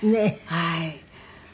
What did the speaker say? はい。